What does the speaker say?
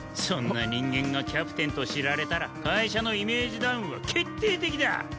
そんな人間がキャプテンと知られたら会社のイメージダウンは決定的だ。